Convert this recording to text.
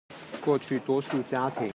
過去多數家庭